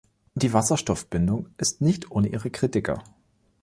Die Wasserstoffbindung ist nicht ohne ihre Kritiker.